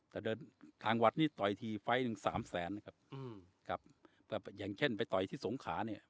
แต่เดินทางวัดนี่ต่อยทีไฟล์หนึ่งสามแสนนะครับอืมครับอย่างเช่นไปต่อยที่สงขาเนี่ย